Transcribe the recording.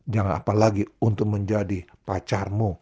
jangan apalagi untuk menjadi pacarmu